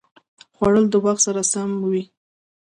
خوړل د وخت سره سم وي